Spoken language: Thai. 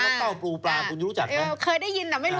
เคยได้ยินแต่ไม่รู้เค้าเล่นกันยังไง